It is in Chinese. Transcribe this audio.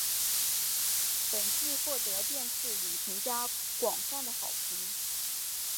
本剧获得电视影评家广泛的好评。